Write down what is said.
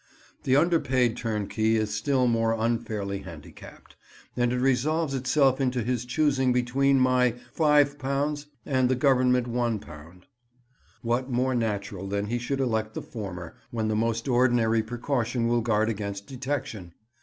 The underpaid turnkey is still more unfairly handicapped, and it resolves itself into his choosing between my £5 and the Government £1. What more natural than that he should elect the former, when the most ordinary precaution will guard against detection.